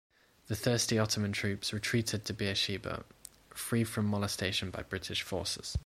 The thirsty Ottoman troops retreated to Beersheba, free from molestation by British forces.